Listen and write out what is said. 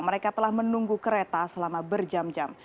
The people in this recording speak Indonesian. mereka telah menunggu kereta selama berjam jam